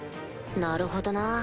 なるほどな。